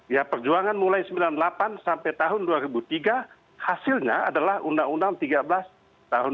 ya perjuangan mulai sembilan puluh delapan sampai tahun dua ribu tiga hasilnya adalah undang undang tiga belas tahun dua ribu